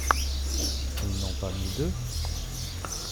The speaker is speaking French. Ils n’ont pas mis de ?